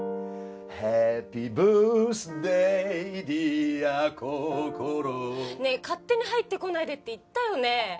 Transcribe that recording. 「ハッピーバースデーディアこころ」ねえ勝手に入ってこないでって言ったよね。